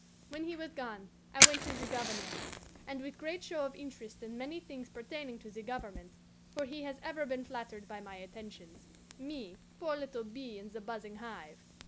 When he was gone I went to the Governor, and, with great show of interest in many things pertaining to the government (for he has ever been flattered by my attentions me, poor little bee in the buzzing hive!)